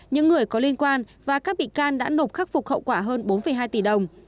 những người có liên quan và các bị can đã nộp khắc phục hậu quả hơn bốn hai tỷ đồng